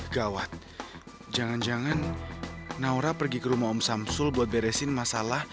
gawat jangan jangan naura pergi ke rumah om samsul buat beresin masalah